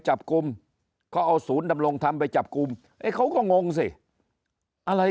จับกลุ่มเขาเอาศูนย์ดำรงธรรมไปจับกลุ่มไอ้เขาก็งงสิอะไร